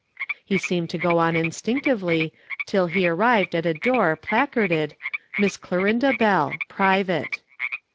He seemed to go on instinctively till he arrived at a door placarded, "Miss Clorinda Bell Private."